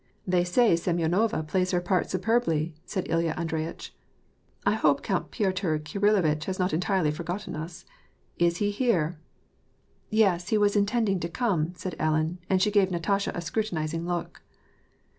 They say Semyonova plays her part superbly," said Ilya Andreyitch. " I hope Count Piotr Kirillovitch has not entirely forgotten us. Is he here ?"'' Yes, he was intending to come," said Ellen, and she gave Natasha a scrutinizing look.